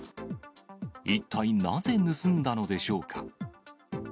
一体なぜ盗んだのでしょうか。